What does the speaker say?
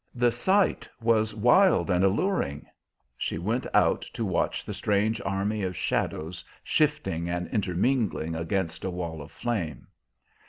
The sight was wild and alluring; she went out to watch the strange army of shadows shifting and intermingling against a wall of flame.